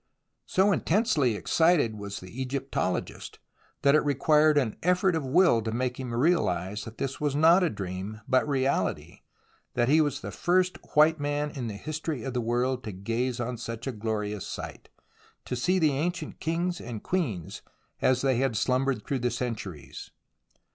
So intensely excited was the Egyptologist, that it required an effort of will to make him realize this was not a dream, but reality, that he was the first white man in the history of the world to gaze on such a glorious sight ; to see the ancient kings 84 THE ROMANCE OF EXCAVATION and queens as they had slumbered through the centuries.